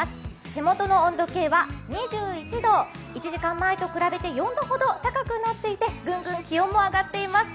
手元の温度計は２１度、１時間前と比べると４度ほど高くなっていてぐんぐん気温も上がっています。